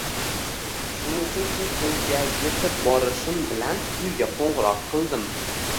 Shuning uchun chet elga yetib borishim bilan uyga qoʻngʻiroq qildim